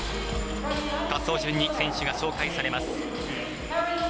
滑走順に選手が紹介されます。